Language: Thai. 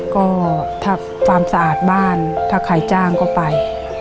ก็ถ้าความสะอาดบ้านถ้าใครจ้างก็ไป